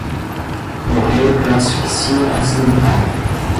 Morreu por asfixia acidental